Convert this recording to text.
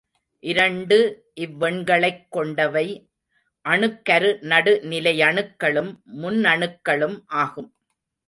இரண்டு இவ்வெண்களைக் கொண்டவை அணுக்கரு நடுநிலையணுக்களும், முன்னணுக்களும் ஆகும்.